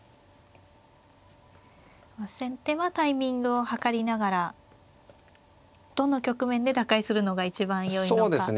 先手はタイミングを計りながらどの局面で打開するのが一番よいのか。